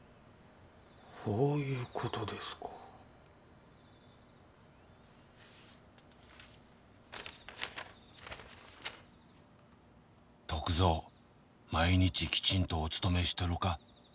ほういうことですか「篤蔵毎日きちんとお勤めしとるか」